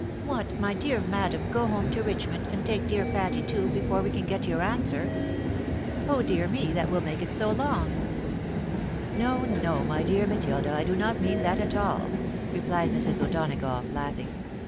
" What, my dear madam, go home to Richmond, and take dear Patty too, before we can get your answer ! Oh, dear me, that win make it so long !"" No, no, my dear Matilda, I do not mean that at all," replied Mrs. O'Donagough, laughing.